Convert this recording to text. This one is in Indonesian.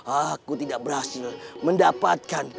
aku tidak berhasil mendapatkan